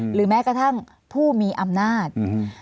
หรือแม้กระทั่งผู้มีอำนาจ